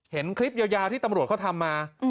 เห็นคลิปยาวที่ตำรวจเขาทำมา